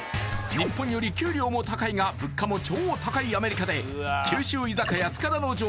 日本より給料も高いが物価も超高いアメリカで九州居酒屋塚田農場は